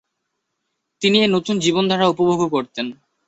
তিনি এই নতুন জীবনধারা উপভোগও করতেন।